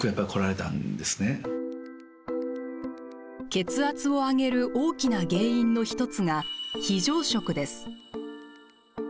血圧を上げる大きな原因の１つが非常食です。